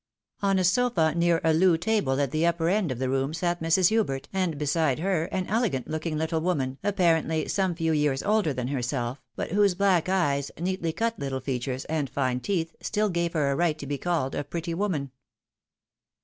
On a sofa near a loo table at the upper end of the room sat Mrs. Hubert, and beside her an elegant looking little woman, apparently some few years older than herself, but whose black eyes, neatly cut little features, and fine teeth, stiH gave her a right to be called a pretty woman.